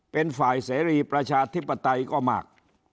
เป็นฝ่ายเสรีประชาธิปไตยก็มาก